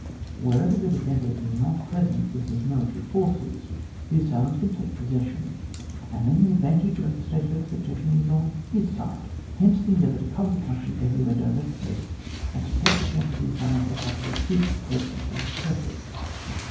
Wherever the defender is not present with his military forces, the assailant can take possession, and then the advantage of the state of expectation is on his side ; hence the endeavour to cover the country everywhere directly, and to take the chance of the assailant attacking the troops posted for this purpose.